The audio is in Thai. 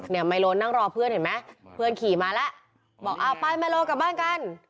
ไมโลนนั่งรอเพื่อนเห็นไหมเพื่อนขี่มาแล้วบอกอ้าวไปไมโลกลับบ้านกัน